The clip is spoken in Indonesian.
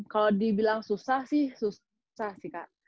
kalau dibilang susah sih susah sih kak